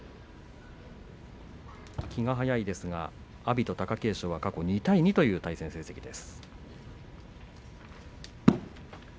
気が早いですが阿炎と貴景勝は過去２対２という対戦成績です。